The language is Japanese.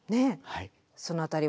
その辺りは？